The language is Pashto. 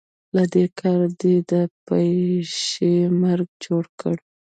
له دې کاره دې د پيشي مرګ جوړ کړ.